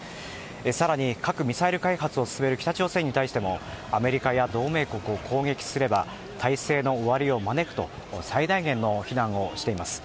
更に核・ミサイル開発を進める北朝鮮に対してもアメリカや同盟国を攻撃すれば体制の終わりを招くと最大限の非難をしています。